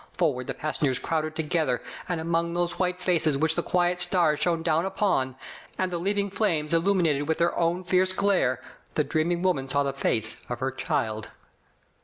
Forward the passengers crowded to gether. And among those white faces which the quiet stars shone down upon, and the leaping . flames illuminated with their own fierce glare, the dreaming woman saw the face of her child.